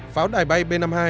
pháo đài bay b năm mươi hai